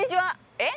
えっ？